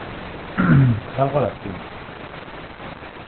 Salgo a las cinco.